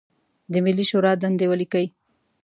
د ملي شورا دندې ولیکئ.